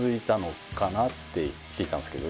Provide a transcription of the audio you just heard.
聞いたんですけど。